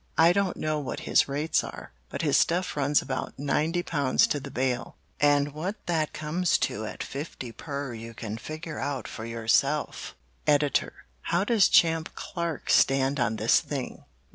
I don't know what his rates are, but his stuff runs about ninety pounds to the bale, and what that comes to at fifty per you can figure out for yourself. "Editor How does Champ Clark stand on this thing?